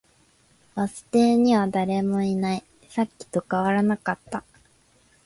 バス停には誰もいない。さっきと変わらなかった。